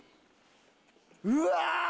うわ！